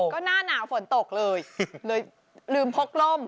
ก็หน้าหนาวฝนตกเลยเลยลืมพกร่ม